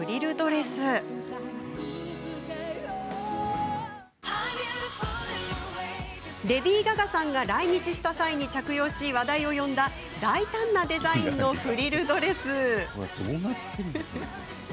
レディー・ガガさんが来日した際に着用し話題を呼んだ大胆なデザインのフリルドレス。